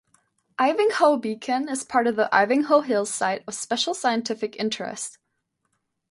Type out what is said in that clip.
Ivinghoe Beacon is part of the Ivinghoe Hills Site of Special Scientific Interest.